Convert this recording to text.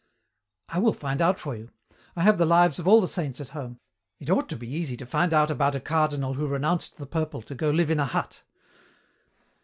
"I will find out for you. I have the lives of all the saints at home. It ought to be easy to find out about a cardinal who renounced the purple to go live in a hut.